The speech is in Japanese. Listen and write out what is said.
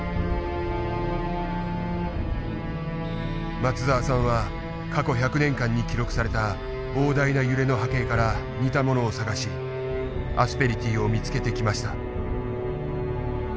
松澤さんは過去１００年間に記録された膨大な揺れの波形から似たものを探しアスペリティーを見つけてきました。